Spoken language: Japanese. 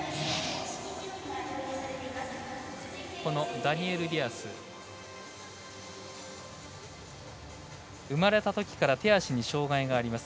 ダニエル・ディアス生まれたときから手足に障がいがあります。